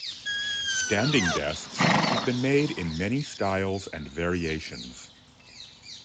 Standing desks have been made in many styles and variations.